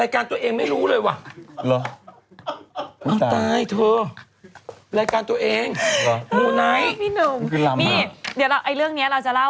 อ้าวตายเถอะรายการตัวเองพี่หนุ่มเดี๋ยวเราไอ้เรื่องเนี้ยเราจะเล่า